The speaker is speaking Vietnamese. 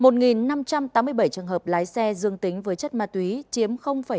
một năm trăm tám mươi bảy trường hợp lái xe dương tính với chất ma túy chiếm bảy mươi